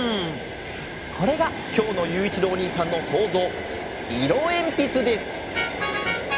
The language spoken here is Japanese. これがきょうのゆういちろうおにいさんのそうぞう「いろえんぴつ」です！